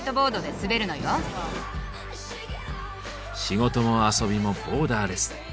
仕事も遊びもボーダーレス。